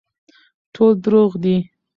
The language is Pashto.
ټول دروغ دي